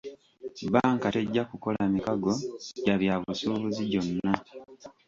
Bbanka tejja kukola mikago gya byabusubuuzi gyonna.